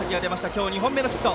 今日、２本目のヒット。